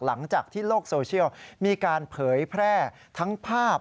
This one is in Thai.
หลังจากที่โลกโซเชียลมีการเผยแพร่ทั้งภาพ